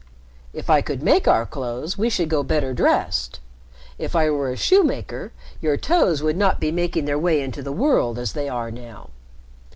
If I could make our clothes, we should go better dressed. If I were a shoemaker, your toes would not be making their way into the world as they are now."